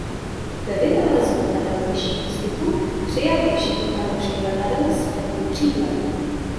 Po vynálezu letadel těžších vzduchu přijal i všechny fanoušky letadel s pevným křídlem.